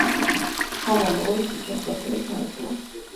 ქომმონ ვოისი ჩემ კლასელებს მოეწონათ